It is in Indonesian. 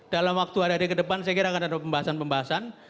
dalam waktu ada hari kedepan saya kira akan ada pembahasan pembahasan